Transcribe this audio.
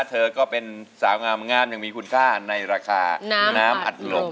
เธอก็เป็นสาวงามอย่างมีคุณค่าในราคาน้ำอัดลม